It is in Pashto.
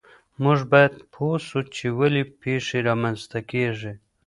موږ باید پوه سو چې ولې پیښې رامنځته کیږي.